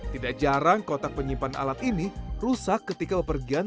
tidak jarang kotak penyimpan alat ini rusak ketika pepergian